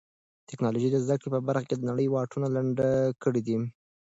ټیکنالوژي د زده کړې په برخه کې د نړۍ واټنونه لنډ کړي دي.